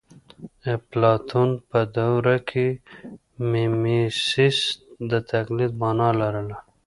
اپلاتون په دوره کې میمیسیس د تقلید مانا لرله